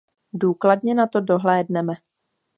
Důkladně na to dohlédneme.